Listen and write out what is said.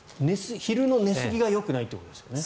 昼の寝すぎがよくないってことですね。